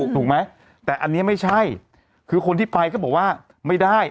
ถูกไหมแต่อันนี้ไม่ใช่คือคนที่ไปก็บอกว่าไม่ได้